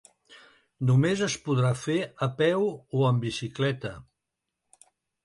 Només es podrà fer a peu o amb bicicleta.